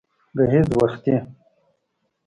گهيځ وختي